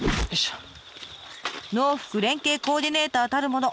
農福連携コーディネーターたるもの